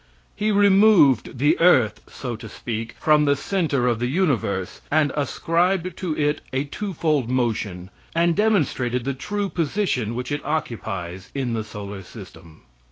He removed the earth, so to speak, from the center of the universe, and ascribed to it a twofold motion, and demonstrated the true position which it occupies in the solar system.